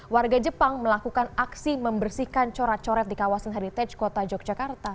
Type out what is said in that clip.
warga jepang melakukan aksi membersihkan corak coret di kawasan heritage kota yogyakarta